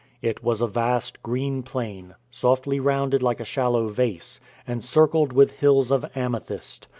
It was a vast, green plain, softly rounded like a shallow vase, and circled with hills of amethyst.